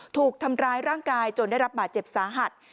ถูกทำร้ายร่างกายจนได้รับบาดเจ็บสาหัส